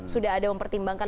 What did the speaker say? sudah ada mempertimbangkan